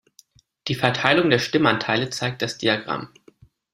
Die Verteilung der Stimmenanteile zeigt das Diagramm.